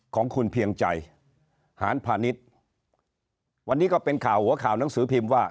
ของคุณเพียงใจหานพาณิชย์วันนี้ก็เป็นข่าวหัวข่าวหนังสือพิมพ์ว่า